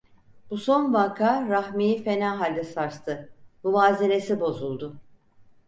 Bu son vaka Rahmi'yi fena halde sarstı, muvazenesi bozuldu.